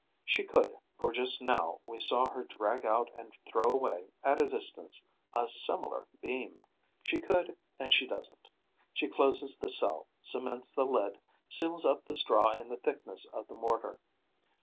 She could, for just now we saw her drag out and throw away, at a distance, a similar beam. She could and she doesn't. She closes the cell, cements the lid, seals up the straw in the thickness of the mortar.